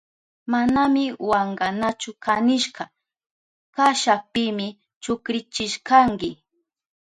Manami wankanachu kanishka kashapimi chukrishkanki.